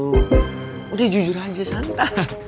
lo tuh jujur aja santah